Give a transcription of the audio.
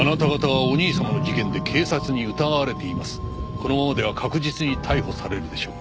「このままでは確実に逮捕されるでしょう」